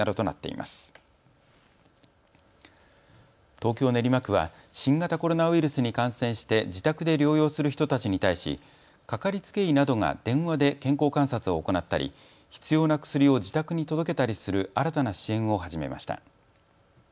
東京練馬区は新型コロナウイルスに感染して自宅で療養する人たちに対しかかりつけ医などが電話で健康観察を行ったり必要な薬を自宅に届けたりする新たな支援を始めました。